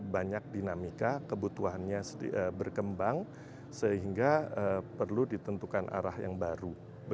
banyak dinamika kebutuhannya berkembang sehingga perlu ditentukan arah yang baru